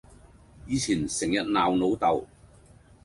以前成日鬧老豆